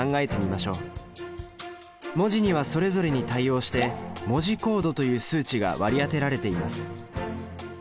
文字にはそれぞれに対応して文字コードという数値が割り当てられています。